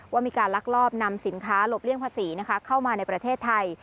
ว่ามีการลักลอบนำสินค้าหลบเลี่ยงภาษีเข้ามาในประเทศไทย